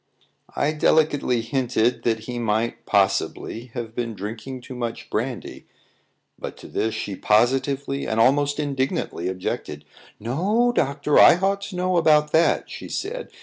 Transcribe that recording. I delicately hinted that he might, possibly, have been drinking too much brandy; but to this she positively and almost indignantly objected. "No, doctor; I ought to know about that," she said.